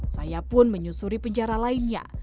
saya pun menyusuri penjara lainnya